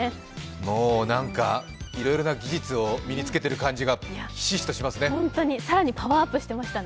もうなんかいろいろな技術を身につけてる感じがひしひしとしますね。